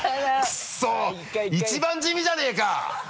クソッ一番地味じゃねぇか！